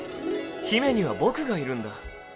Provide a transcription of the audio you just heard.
姫には僕がいるんだ